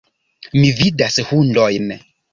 Mi vidas hundojn.